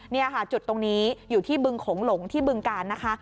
นี่ค่ะจุดตรงนี้อยู่ที่บึงโขงหลงที่บึงการนะคะ